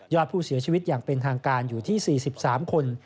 ผู้เสียชีวิตอย่างเป็นทางการอยู่ที่๔๓คน